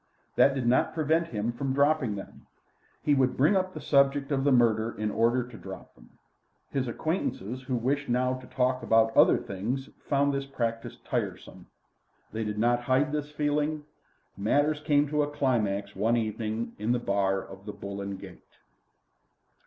That did not prevent him from dropping them. He would bring up the subject of the murder in order to drop them. His acquaintances who wished now to talk about other things found this practice tiresome. They did not hide this feeling. Matters came to a climax one evening in the bar of the "Bull and Gate."